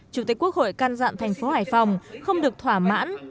chủ tịch quốc hội căn dặn thành phố hải phòng không được thỏa mãn